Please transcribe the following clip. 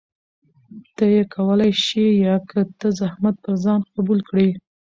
ته يې کولى شې يا که ته زحمت پر ځان قبول کړي؟